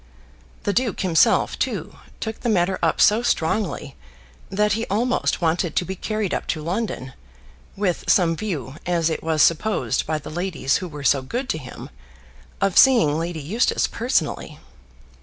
The duke himself, too, took the matter up so strongly, that he almost wanted to be carried up to London, with some view, as it was supposed by the ladies who were so good to him, of seeing Lady Eustace personally.